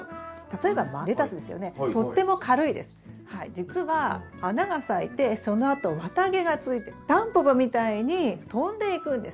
じつは花が咲いてそのあと綿毛がついてタンポポみたいに飛んでいくんです。